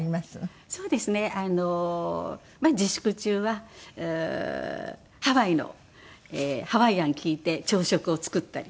そうですね自粛中はハワイのハワイアン聴いて朝食を作ったり。